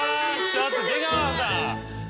ちょっと出川さん！